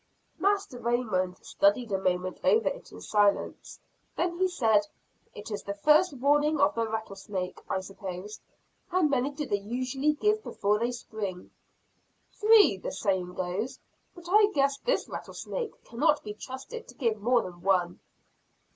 Master Raymond studied a moment over it in silence. Then he said: "It is the first warning of the rattlesnake, I suppose. How many do they usually give before they spring?" "Three, the saying goes. But I guess this rattlesnake cannot be trusted to give more than one."